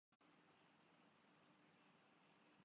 مرے چارہ گر کو نوید ہو صف دشمناں کو خبر کرو